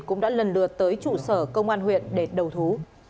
cũng đã lần lượt tới trụ sở công an huyện để đầu thú